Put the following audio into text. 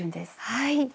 はい！